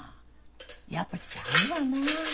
やっぱちゃうわな。